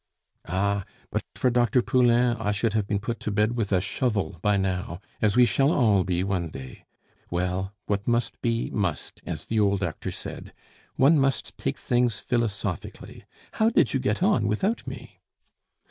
"Ah! but for Dr. Poulain I should have been put to bed with a shovel by now, as we shall all be one day. Well, what must be, must, as the old actor said. One must take things philosophically. How did you get on without me?"